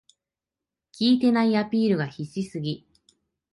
効いてないアピールが必死すぎ